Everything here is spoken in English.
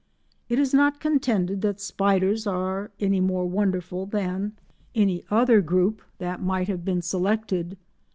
It is not contended that spiders are any more wonderful than any other group that might have been selected.